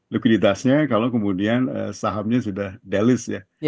lukiditasnya kalau kemudian sahamnya sudah delist ya